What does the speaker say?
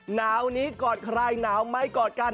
เหล่านี้กอดใครหนาวไม่กอดกัน